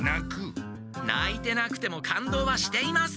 ないてなくても感動はしています！